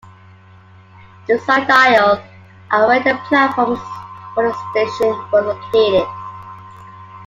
The side aisles are where the platforms for the station were located.